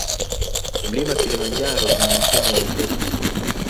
Mlima kilimanjaro una mfumo wa upepo